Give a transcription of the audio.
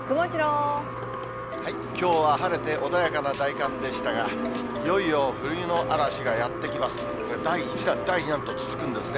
きょうは晴れて、穏やかな大寒でしたが、いよいよ冬の嵐がやって来ます。これ、第１弾、第２弾と続くんですね。